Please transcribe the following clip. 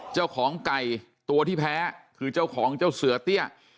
เจ้าของไก่ตัวที่แพ้คือเจ้าของเจ้าเสือเตี้ย